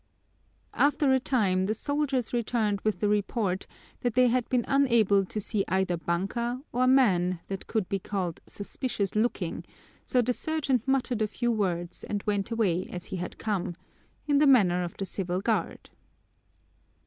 After a time the soldiers returned with the report that they had been unable to see either banka or man that could be called suspicious looking, so the sergeant muttered a few words and went away as he had come in the manner of the Civil Guard!